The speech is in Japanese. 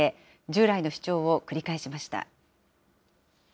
従来の主張を繰り返しました。